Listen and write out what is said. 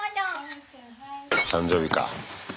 誕生日か。